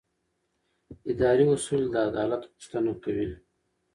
اداري اصول د عدالت غوښتنه کوي.